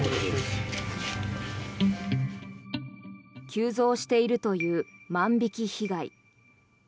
急増しているという万引き被害。